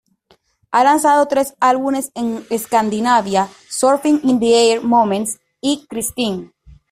Ha lanzado tres álbumes en Escandinavia, "Surfing in the Air", "Moments" y "Christine".